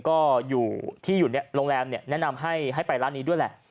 ก็ที่อยู่โรงแรมแนะนำให้ไปร้านนี้ด้วย